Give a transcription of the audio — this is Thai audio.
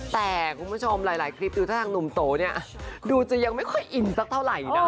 แต่คุณผู้ชมหลายคลิปดูถ้าทางหนุ่มโตเนี่ยดูจะยังไม่ค่อยอินสักเท่าไหร่นะ